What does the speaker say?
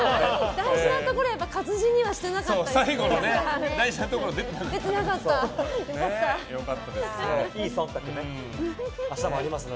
大事なところ活字にはしてなかったですね。